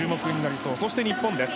そして日本です。